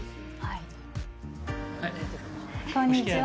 こんにちは。